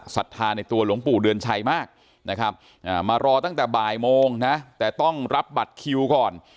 ศรัทธาในตัวหลวงปู่เดือนชัยมากนะครับมารอตั้งแต่บ่ายโมงนะแต่ต้องรับบัตรคิวก่อน